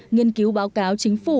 nghiên cứu báo cáo chính phủ